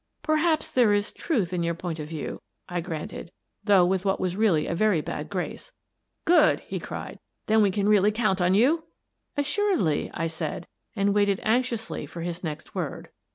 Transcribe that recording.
Perhaps there is truth in your point of view," I granted, though with what was really a very bad grace. "Good! " he cried. " Then we can really count on you? "" Assuredly," said I, and waited anxiously for his next word.